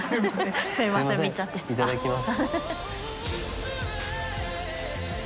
いただきます。